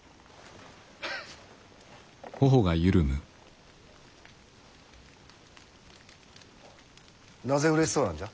ヘヘッ。なぜうれしそうなんじゃ？